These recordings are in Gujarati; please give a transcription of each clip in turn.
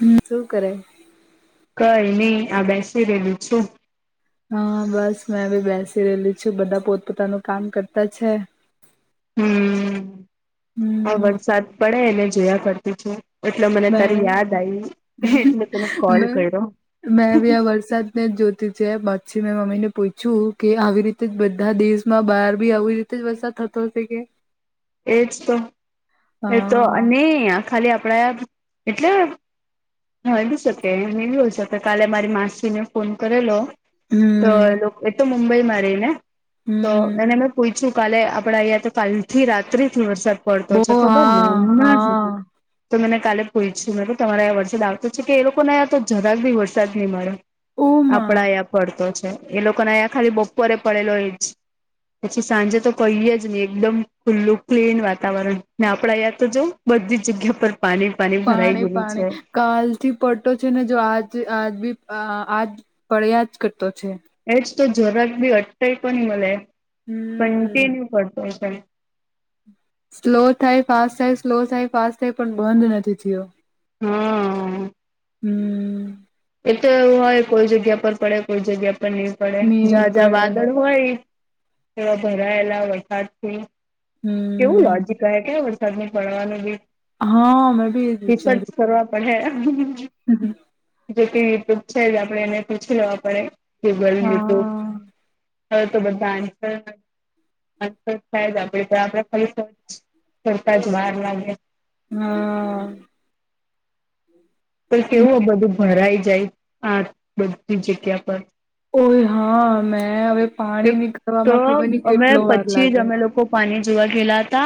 હમ, શું કરે? કઈ નહી, આ બેસી રહેેલું છું. હા, બસ મેં બી બેસી રહેેલી છું. બધા પોતપોતાનું કામ કરતા છે. હમ, આ હમ વરસાદ પડે, એને જોયા કરતી છે. એટલે મને મે તારી યાદ આવી, એટલે તને કોલ મે કર્યો. મેં બી આ વરસાદને જોતી છે, પાછી મેં મમ્મી ને પૂછ્યું કે, આવી રીતે જ બધા દેશ માં બહાર બી આવી. વર્ષ થતો હશે કે. એજ તો એ તો હા ન ખાલી આપડા એટલે હ એ શકે એ હો શકે કાલે મારી માસીને ફોન કરેલો તો હમ એ તો મુંબઈમાં રહી ને તો હમ એને મેં પૂછું કાલે આપડા અહં તો કાલ થી રાત્રિ થી વરસાદ પડતો બો છે ખબર ને હા હમણાં સુધી હા તો મને કાલે પૂછછું મ તમારે વરસાદ આવતો છે કે એ લોકોને તો જરાક બી વરસાદ નહીં મળે ઓમાં આપડા અહીંયા પડતો છે એ લોકોને અહીંયા ખાલી બપોરે પડેલો એ જ પછી સાંજે તો કહીએ જ નહી એકદમ ખુલ્લું ક્લીન વાતાવરણ ને આપડા યાં તો જઉ બધી જગ્યા પર પાણી પાણી ભરાઈ ગયેું છે. કાલ થી પડતો છે ને જો આજ આજ બી આજ પડ્યા જ કરતો છે એજ તો જરાક ભી અટાઈ પણ મળે હમ કંન્ટિન્યુ પતા સ્લો થાય ફાસ્ટ થાય સ્લો થાય ફાસ્ટ થાય પણ બંધ નથી થયો હમ હમ એ તો એવું હોય કોઈ જગ્યા પર પડે કોઈ જગ્યા પર નહીં પડે ની જ્યાં જ્યાં પડે વાદળ હોય થ ભરાયેલા વરસાદથી હમ કેવું લજી કહે ક્યા વરસાદ ની પડવાનું બી હા અમે બી એ રિસર્ચ વિચાર કરવા પડે હ જોકે યુટ્યુબ છે જ આપણે એને પૂછી લેવા પડે ગૂગલ યુટ્યુબ હા હવે તો બધા આન્સર થાય જ આપ આપડ ખરી કરતા જ વાર લાગે હા તો કેવું બધું ભરાઈ જાય આ બધી જગ્યા પર ઓય હા મે હવે પાણી તો નીકળવાવામાં ખબર નઈ અમે કેટલો વાર પછી જ લાગે અમે લોકો પાણી જોવા ગયેલા હતા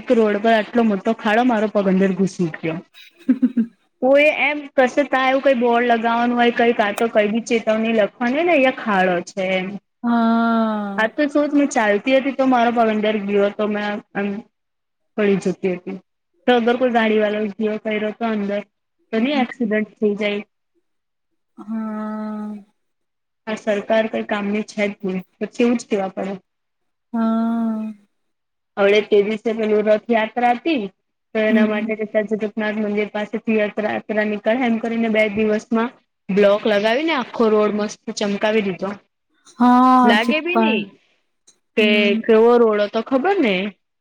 એક રોડ પર આટલો મોટો ખાડો મારો પગંદર ઘુસી ગયો હ કો એ એમ કશે ત્યાં એવું કઈ બોર્ડ લગાવવાનું હોય કઈ કાટ તો કઈ બી ચેતવણી લખવાની હોય ને અયા ખાડો જ હ હા હા તો શત મેં ચાલતી હતી તો મારો પગનંદર ગીયો હતો મેં પડી જતી હતી તો અગર કોઈ ગાડી વાળો ઘ કર્યો તો અંદર તો નહી એક્સિડન્ટ થઈ જાય હમ આ સરકાર તો કામ ની છે જ ભ તો એવું જ કેવા પડે હા હડ તે દિવસે પેલું રથયાત્રા હતીને તો એના હમ માટે જગપનાથ મંદિર પાસેથી યાત્રાયાત્રા નીકળે એમ કરીને બે દિવસ માં બ્લોક લગાવીને આખો રોડ મસ્ત ચમકાવી દીધો હા લાગે ભી છીપ્પા નઈ કે હમ કેવો રોડો તો ખબર ને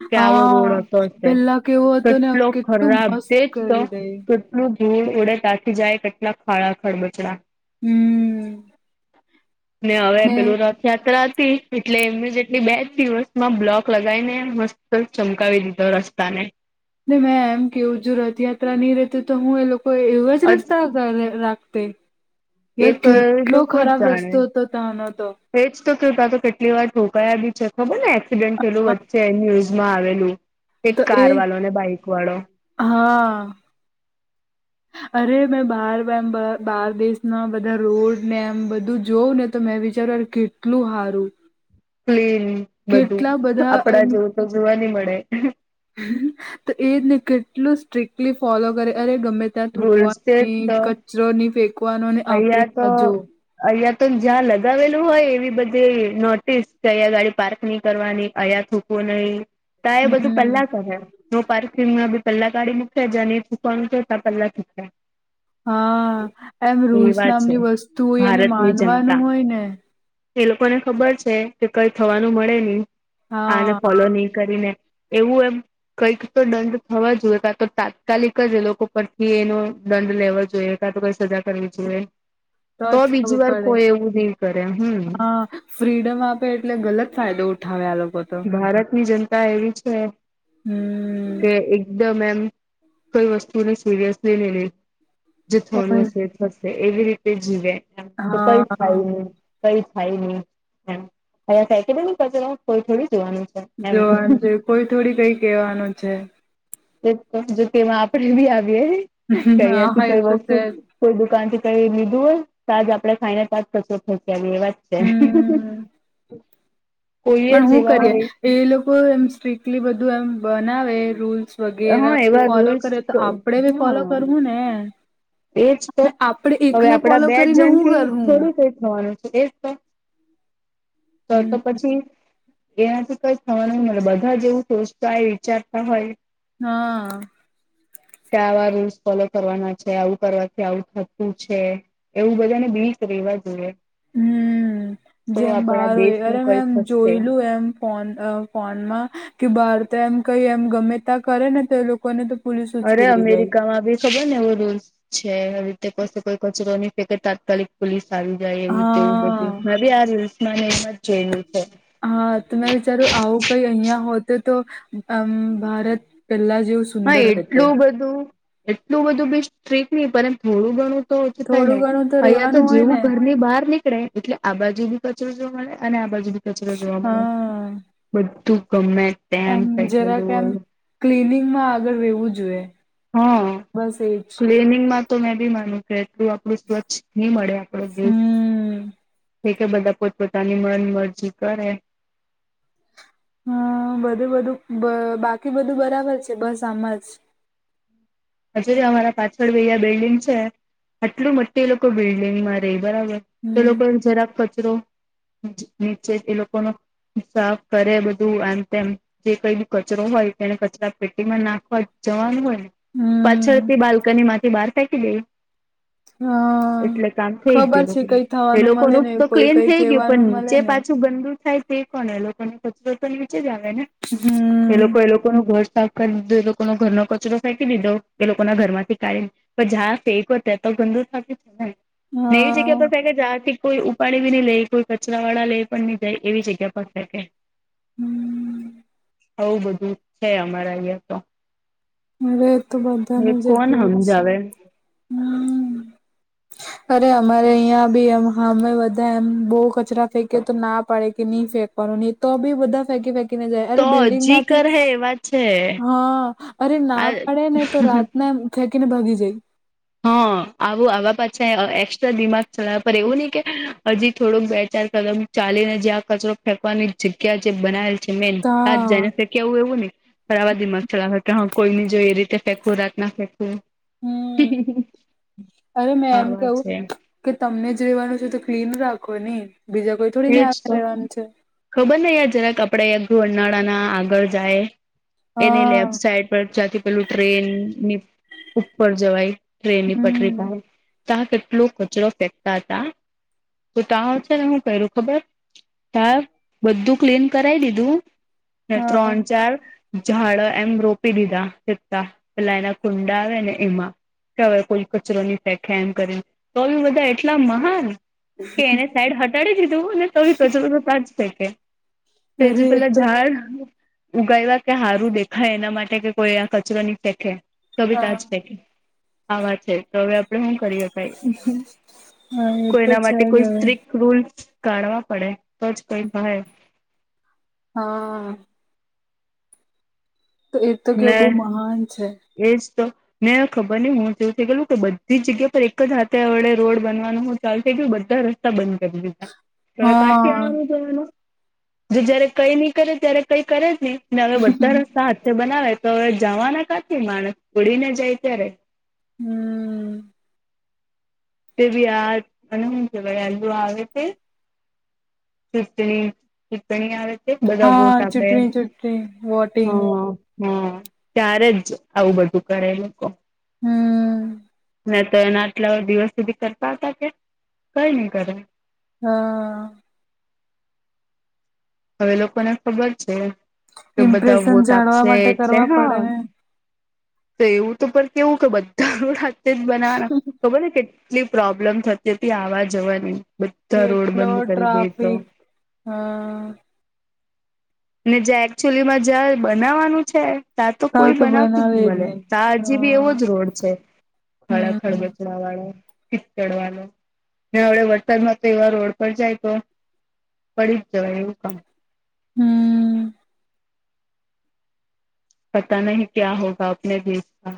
કે આવો રોડ હતો હા છે પેલા કેવો હતો ને હવે કેટલો કેટલું ખરાબ મસ્ત છેજ તો કરી દે કેટલું ધૂળ ઉડે ત્યાંથી જાય કેટલા ખાળા ખરબચડા હમ ને આવે પેલું રાત યાત્રા હતી એટલે ઇમિજિયટલી બે જ દિવસમાં બ્લોક લગાવી ને મસ્ત ચમકાવી તોર રસ્તાને ને મેં એમ કેવું જો રથયાત્રા નહી રહેતી તો હું એ લોકો કોઈ એવો જ રસ્તા [unintelligible] રાખતે એ યાર તો એ કેટલો લોકો જ ખરાબ જાણે રસ્તો હતો ત્યાંનો તો એજ તો કેતા તો કેટલી વાર ઠોકાયા બી છે ખબર ને એક્સિડેન્ટ થેલુ વચ્ચે એનું આવેલું એક તો એ કાર વાળો ને બાઈક વાળો. હા [inaudible] અરે મેં બાર બે બ બાર દેશના બધા રોડ ને એમ બધું જોઉં ને તો મેં વિચાર કેટલું હારું ક્લીન બધું કેટલા બધા આપડા એમ જોવુ તો જોવા ની મળે. તો એને કેટલું સ્ટ્રિક્ટલી ફોલો કરે અરે ગમે ત્યાં રૂલ્સ છે જ થૂકવાની તો કચરો નહી ફેંકવાનો અને આપડી જો અહીંયા તો જ્યાં લગાવેલું હોય એવી બધી નોટિસ કે અહીંયા ગાડી પાર્ક નહી કરવાની અહીંયા થુ નહી તા એ બધું હમ પેલા નો પાર્કિંગમાં બી પેલ્લા ગાડી મુકે જ્યાં ની થુકવાનું ત્યાં પહેલા થુંકહે. હા એમ રૂલ્સ એવા છે નામની વસ્તુ હોય એને ભારતની જનતા માનવાનું હોય ને. એ લોકોને ખબર છે કે કઈ થવાનું મળે નહી આને હા ફોલો ની કરીને એવું એમ કંઈક તો દંડ થવા જોઈએ કા તો તાત્કાલિક જ એ લોકો પરથી એનો દંડ લેવા જોઈએ. તો કઈ સજા કરવી જોઈએ તો જ બીજી ખબર વાર પડે કોઈ એવું નહી કરે હમ. હા ફ્રીડમ આપે એટલે ગલત ફાયદો ઉઠાવે આ લોકો તો. ભારત ની જનતા એવી છે હમ કે એકદમ એમ કોઈ વસ્તુને સિરિયસલી ની લે જે થડું પણ હશે થશે એવી રી તે જીવે તો કઈ હા થાય ની કઈ થાય નહી એમ અહીંયા ફેંકી દે ની કચરો કોઈ થોડી જોવાનો છે. એમ જોવાનું છે કોઈ થોડી કઈ કેવાનું છે. જો તેમાં આપણે બી આવીએ હા કઈથી એ કઈ તો વસ્તુ છે જ કોઈ દુકાન થી કઈ લીધું હોય તાજ આપણે ખાઈને તાજ કચરો ફેક કે એ એવા જ છે. હમ કોઈએ પણ જ હું કરીએ એવા એ લોકો એમ સ્ટ્રીક્ટલી બધું એમ બનાવે રૂલ્સ વગેરે હા એવા ફોલો રૂલ્સ કરે તો આપડે બી ફોલો હા કરહુ ને. એજ તો અને આપડે હવે એકલા આપડા ફોલો બે કરીને જણ હું થી કરહુ. થોડું થવાનું છે એ જ તો, તો હમ તો પછી એનાથી કઈ થવા નહીં મળે બધા જ એવું સોચતા હોય વિચારતા હોય હા કે આવા રૂલ્સ ફોલો કરવાના છે આવું કરવાથી આવું થતું છે એવું બધાને બીક રેવા જોઈએ. હમ તો જેમ આપણા બહાર હોય દેશનું અરે મે કઈ એમ થશે જોયલું એમ ફોન અ ફોનમાં કે બહાર તો એમ કઈ એમ ગમે તા કરે ને તો લો કોને તો પોલીસ ઉચકે અરે લઈ જાય. અમેરિકામાં બી ખબર ને એવો રૂલ્સ છે રીતે કસે કોઈ કચરો ની ફેકે તાત્કાલિક પોલીસ આવી જાય એવું તેવું હા બધું હવે આ રીલ્સ માંને એમાં જ જોયેલું છે. હા તો મેં વિચાર્યું આવું કઈ અહીંયા હોતે તો અ ભારત પેલા જેવુ હા એટલું બધું એટલું બધું બી સ્ટ્રીક નહી પર થોડું ઘણું તો ઓછું થાય ને થોડું ઘણું અહીંયા તો રેવાનું હોય ને જેવું ઘર ની બહાર ની કળે એટલે આ બાજુ ભી કચરો જોવા મળે અને આ બાજુ ભી કચરો જોવા મળે. હા બધું ગમે તેમ એમ જરા કે એમ ફેકેલું ક્લનિંગમાં આગળ રેવું જોઈએ. હા બસ એજ ક્લીનિંગમાં તો મેં બી માનું કે એટલું આપણું સ્વચ્છ. નહી મળે આપણો દેશ હમ એ કે બધા પોતપોતાની મન મરજી કરે હા બધું બધું બ બાકી બધું બરાબર છે બસ આમ જ. હજે અમારા પાછળ ભૈયા બિલ્ડિંગ છે આટલું મોટી એ લોકો બિલ્ડિંગમાં બરાબર તો હમ લોકો જરાક કચરો નીચે એ લોકોનો સાફ કરે બધું આમ તેમ. જે કઈ કચરો હોય તેને કચરા પેટીમાં નાખવા જવાનું હોય ને. હમ. પાછળથી બાલ્કની માંથી બહાર ફેંકી દેઈ. હા એટલે કામ થઈ ખબર છે ગયું કઈ એ થવાનું લોકો મળે નુ ને તો કોઈ ક્લીન કઈ થઈ ગયું પણ કહેવાનું મળે નીચે ને પા છુ ગંદુ થાય. તે કોણ એ લોકોને કચરો તો નીચે જ આવે ને એ હમ લોકો એ લોકોનું ઘર સાફ ગંદો એ લોકોનો ઘરનો કચરો ફેકી દીધો એ લોકો ના ઘર માંથી કાઢી ને પણ જા ફેકએ ત તો ગંદુ થાય. ન એવી જગ્યા પર હા ફેકે જાતી. કોઈ ઉપાડડી બી નહી લઈ કોઈ કચરા વાળા લઈ પણ નઈ જાય એવી જગ્યા પર ફેકે. હમ. આવું બધું છે અમારા અહિયાં તો. હવે તો બદ. આને કોણ હમજાવે. હમ અરે અમારે અહીં બી એમ હામે બધા એમ બહુ કચરા ફેંકે તો ના પડે કે નહીં ફેંક. પણ ની તો બી બઘા ફેકી દે. મુકી ને જાય અરે તો બિલ્ડંગ હજી કર માંથીજ હે એવા છે હા અરે ના આ પાડે ને તો રાતના ફેકીને ભાગી જાય. હા આવું આવા પાછા અ એક્સ્ટ્રા દિમાગ ચલાયા પર એવું નહી કે હજી થોડોક બે ચાર કદમ ચાલી ને જે આ કચરો ફેંકવાની જગ્યા જે બનાવેલ જમી ને તા જઈ ને ફેક. કેવું એવું નને બરા દિમાગ ચલાવા હો કે કોઈ ની જો એ રીતે ફેંકવું રાત ના ફેંકવું હમ અરે મેં હા એમ વાત કેવું. છે કે તમને જ રહેેવાનું છે તો ક્લીન રાખો નહી બીજા કોઈ થોડી ને એજ આવા તો રહેેવાનું છે. ખબર ને યાર જરાક આપડે ઘરનાળાના આગળ જાય. એની હા લેફ્ટ સાઈડ પર જથી પેલું ટ્રેનની ઉપર જવાય ટ્રેનની પટરી હમ પાહે ત્યા કેટલો કચરો ફેંકતા તા. તો તા ચે હું પેરુ ખબર તા. બધું ક્લીન કરાવી દીધું ને હા ત્રણ ચાર ઝાડ એમ રોપી દીધા પેતા પેલા એના કુંડા આવે ને એમાં કે હવે કોઈ કચરો ની ફેકે એમ કરીને તો બી બધા એટલા મહાન કે એને સાઈડ હટાડી દીધું અને તો બી કચરો ત્યાંજ ફેકે તે જે અરે એ પેલા તો ઝાડ ઉગાવા કે હારું દેખાય એના માટે કે કોઈ આ કચરો નહી ફેકે તો બી હા નાજ ફેકે આ વાત છે તો હવે આપડે હું કરીયે. હા એ કોઈ તો એના છે માટે જ કોઈ હવે સત્રીક રૂલ કાઢવા પડે તો જ કઈ થાય. હા. તો એ તો કે ને બહુ મહાન છે. એજ તો. ને ખબર નહિ હું જોઈ હું ગલું કે બધી જગ્યા પર એક જ હાતે વડે રોડ બનવાનું હું ચાલ થઈ ગયું બધા તા બંધ કરી દીધા હવે કા થી હા આવવાનું જોવાનું જો જયારે કઈ નઈ કરે ત્યારે કઈ કરે જ નહી હવે બધા નો સાથ તે બનાવે તો હવે જવાના કાથી માણસ પડીને જાય ત્યારે હમ. તે ભી યાર, અને હું કેવાય, એલુ આવે તે. ચીકણી, ચીકણી આવે તે, બધા વોટ હા આપે, ચૂંટણી ચૂંટણી હ વોટિંગ હ, ત્યારેજ આવું બધું કરે એ લોકો. હમ્મ. ને તો એના આટલા ઓ દિવસ સુધી કરતા હતા કે, કઈ નઈ કરે. હા હવે એ લોકોને ખબર છે, કે બધા ઇમ્પ્રેશન વોટ જાળવા આપશે માટે એટલે કરવા પડે હા. ને તો એવું તો પર કેવું કે, બધા રોડ હાતે જ બનાવાના. ખબરને કેટલી પ્રોબ્લેમ થતી હતી આવા જવાની, બધા રોડ કેટલો બંધ કરી દે તો. ટ્રાફિક હા. અને જ્યાં એકચુલીમાં જા બનાવાનું છે તા તો ભાવ કોઈ બનાવતુંજ બનાવે ની જ મલે, નહી તા હજીબી એવો હા જ રોડ છે, હમ ખાડાખડબડ દા વાળો, કીચડ વાળો, ને અવળે વરસાદ માં તો એવા રોડ પર જાય તો. પડીજ જવાય એવું કામ. હમ્મ. પતા નહી ક્યા હોગા અપને દેશ કા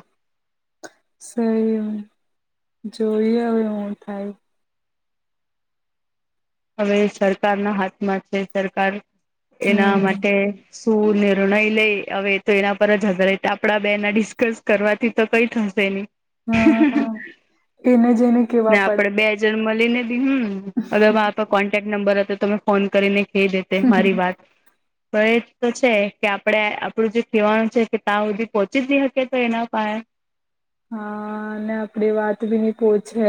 સંયમ, જોઈ હવે હું થાય. હવે સરકારના હાથમાં છે, સરકાર એના હમ માટે શું નિર્ણય લે, હવે એ તો એના પરજ આધારીત, આપડા બેના ડિસ્કસ કરવાથી તો કઈ થશે નહી. હા એને જઈને ને કેવા આપડે બેજ જન મલી ને બી હમ્મ, અગર મારા પર કોન્ટેક્ટ નંબર હતો તો મેં ફોન કરીને કે દેતે મારી પડે વાત. તો એજ તો છે, કે આપડે આપડું જે કહેવાનું છે, તે ત્યાં હુધી પોહોંચી જ ની હકે, તો એના પાહે. હા, ને આપડી વાત ભી ની પોચહે.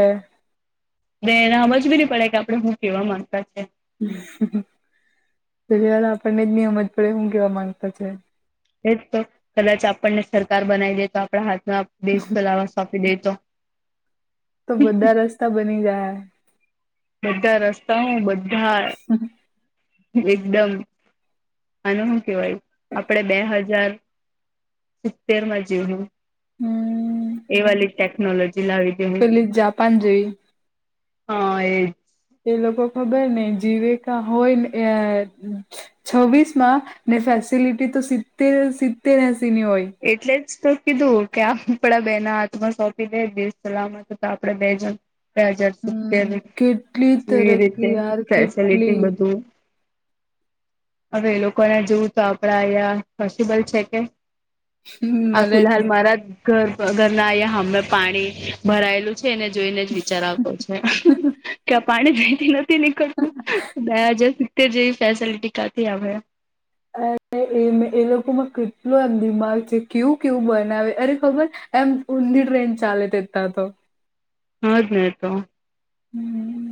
ને એને હમજ બી ની પડે, કે આપડે હું કેવા માંગતા છે. પેલી વાર આપણને જ ની હમજ પડે હું કેવા માંગતા છે. એજ તો, કદાચ આપણને સરકાર બનાવી દે તો, આપણા હાથમાં દેશ ચલાવા સોંપી દે તો. તો બધા રસ્તા બની જાહે. બધા રસ્તા હું, બધા એકદમ, આને હું કેવાય, આપડે બે હજાર સીતેર મા જીવહું. હમ્મ. એવાલી ટેકનોલોજી લાવી. દે હું પેલી જાપાન જઈ. હ એજ એ લોકો ખબર ને જીવેકા હોયને, અ છવ્વીસ માં, ને ફેસિલિટી તો સિત્તેર સિત્તેર એસી ની હોય. એટલે જ તો કીધું, કે આપડા બે ના હાથમાં સોંપી દે તો દેશ ચલાવા મા તો આપણેે બે જણ બે હજાર સીતેર હમ કેટલી જેવી રીતે તરક્કી યાર કેટલી ફેસેલિટી બધું હવે એ લોકોના જેવું તો, આપડા અહિયાં પોસિબલ છે કે? હમ, આ મળે જ ફિલહાલ નહી. મારાજ ઘર ઘરના આયાં હામે પાણી ભરાયેલું છે, એને જોઈને જ વિચાર આવતો છે, કે આ પાણી જ નથી [unintelligible] નથી નીકળતું, બે હજાર સીતેર જેવી ફેસેલિટી કાથી આવહે. અને એ એ લોકોમાં કેટલો એમ દિમાગ છે, કેવું કેવું બનાવે, અરે ખબર એમ ઊંધી ટ્રેન ચાલે તે તા તો. હજ નેતો હમ્મ.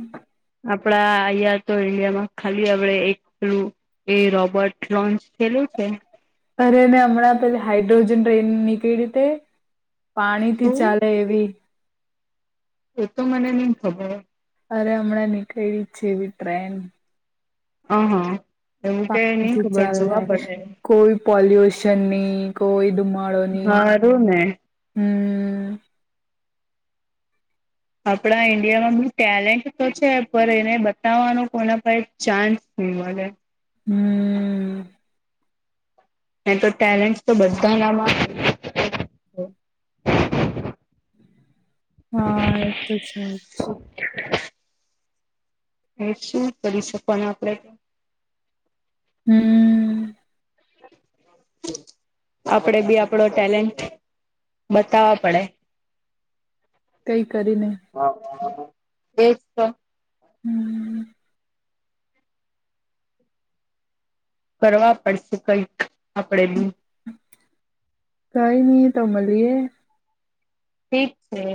આપડા આયાં તો ઇન્ડિયામાં ખાલી આપડે એક પેલું એ રોબર્ટ લોન્ચ થેલું છે. અરે, ન્યા હમણાં પેલી હાઈડ્રોજન ટ્રેન નીકળી તે. પાણી થી શું ચાલે એવી. એ તો મને ની ખબર. અરે હમણાં નીકળેલી છે, એવી ટ્રેન. અ, હ, એવું કે, નઈ પાણીથી ખબર જોવા ચાલે પડશે. કોઈ પોલ્યુશનની, કોઈ ધુમાડોની. હારું ને [unintelligible] આપણા ઈન્ડિયામાં ટેલેન્ટ તો છે, પણ એને બતાવવાનો કોના પાહે ચાન્સ ના મલે. [unintelligible] કઈ તો ટેલેન્ટસ તો બધાનામાં. હા, એતો છે જ. એ શું કરી શકવાના આપડે તો. હમ્મ. આપડે બી આપડો ટેલેન્ટ બતાવા પડે. કઈ કરી ને. [unintelligible] એ હમ્મ. કરવા પડશે કઈક આપડે ભી. કઈ ની તો મલીએ. ઠીક છે.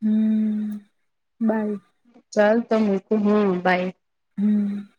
હમ્મ બાય. ચાલ તો મૂકું હું બાય. હમ્મ.